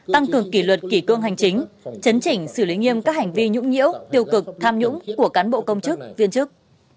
tăng cường kỷ luật kỷ cương hành chính chấn chỉnh xử lý nghiêm các hành vi nhũng nhiễu tiêu cực tham nhũng của cán bộ công chức viên chức